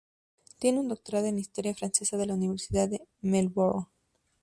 Tiene un doctorado en historia francesa de la Universidad de Melbourne.